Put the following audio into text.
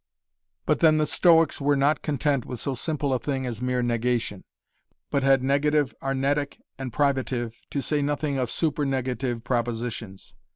But then, the Stoics were not content with so simple a thing as mere negation, but had negative arnetic and privative, to say nothing of supernegative propositions.